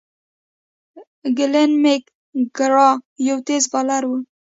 گلين میک ګرا یو تېز بالر وو.